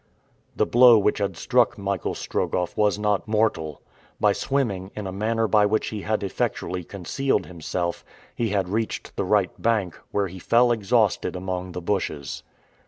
The blow which had struck Michael Strogoff was not mortal. By swimming in a manner by which he had effectually concealed himself, he had reached the right bank, where he fell exhausted among the bushes.